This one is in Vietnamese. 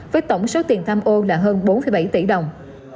với tổng số tiền tham ô là hơn bốn bảy tỷ đồng